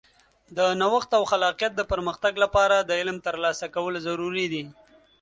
د نوښت او خلاقیت د پرمختګ لپاره د علم ترلاسه کول ضروري دي.